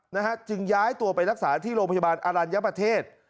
นะฮะจึงย้ายตัวไปรักษาที่โรงพยาบาลอรัญญประเทศ